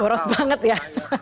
boros banget ya